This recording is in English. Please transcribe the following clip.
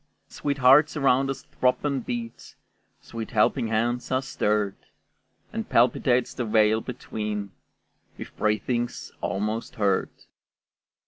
Sweet hearts around us throb and beat, Sweet helping hands are stirred, And palpitates the veil between With breathings almost heard.